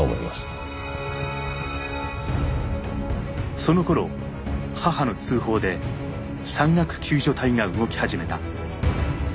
そのころ母の通報で山岳救助隊が動き始めた。